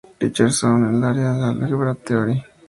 Richard Swan, en el área de álgebra k-theroy.